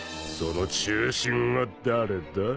その中心は誰だ？